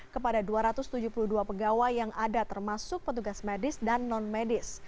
kepada dua ratus tujuh puluh dua pegawai yang ada termasuk petugas medis dan non medis